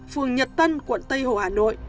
phường nhật tân quận tây hồ hà nội